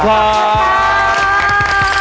ขอบคุณครับ